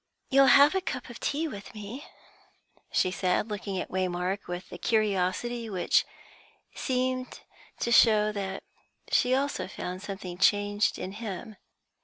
"You'll have a cup of tea with me?" she said, looking at Waymark with the curiosity which seemed to show that she also found something changed in him.